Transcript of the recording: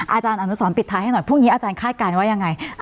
อาจารย์อนุสรปิดท้ายให้หน่อยพรุ่งนี้อาจารย์คาดการณ์ว่ายังไง